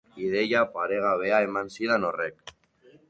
Ideia paregabea eman zidan horrek.